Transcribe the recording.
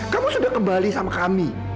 kamu sudah kembali sama kami